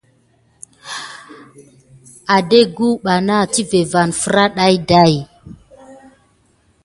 Ngan nisawudi vakana nizeŋga ɗegaï tivé ɗi.